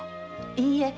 いいえ